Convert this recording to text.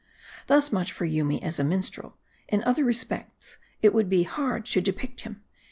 * Thus much for Yoomy as a minstrel. In other respects, it would be hard to depict him.